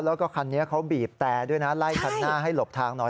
แล้วก็คันนี้เขาบีบแต่ด้วยนะไล่คันหน้าให้หลบทางหน่อย